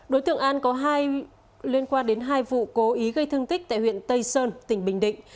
đối tượng an có hai liên quan đến hai vụ cố ý gây thương tích tại huyện tây sơn tỉnh bình định